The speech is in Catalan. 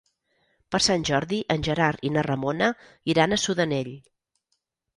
Per Sant Jordi en Gerard i na Ramona iran a Sudanell.